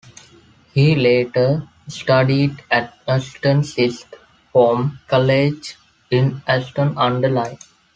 He later studied at Ashton Sixth Form College in Ashton-under-Lyne.